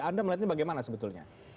anda melihatnya bagaimana sebetulnya